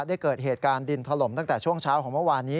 ได้เกิดเหตุการณ์ดินถล่มตั้งแต่ช่วงเช้าของเมื่อวานนี้